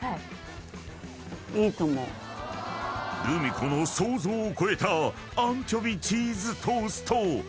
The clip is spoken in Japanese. ［ルミ子の想像を超えたアンチョビチーズトースト］